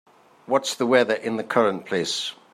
What's the weather in the current place?